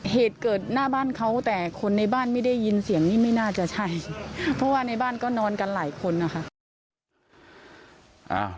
เหตุเกิดหน้าบ้านเขาแต่คนในบ้านไม่ได้ยินเสียงนี้ไม่น่าจะใช่เพราะว่าในบ้านก็นอนกันหลายคนนะคะ